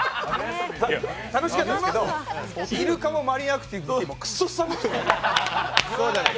楽しかったですけど、イルカもマリンアクティビティもクソ寒かったです。